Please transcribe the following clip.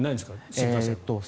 新幹線は。